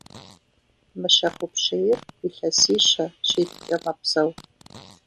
Мыщэхупщейр илъэсищэ – щитӏкӏэ мэпсэу.